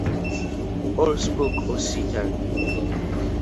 All spoke Occitan.